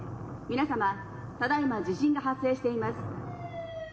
皆様、ただいま地震が発生しています。